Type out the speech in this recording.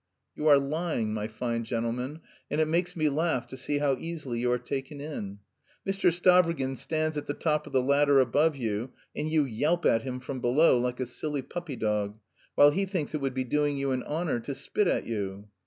"You are lying, my fine gentleman, and it makes me laugh to see how easily you are taken in. Mr. Stavrogin stands at the top of the ladder above you, and you yelp at him from below like a silly puppy dog, while he thinks it would be doing you an honour to spit at you."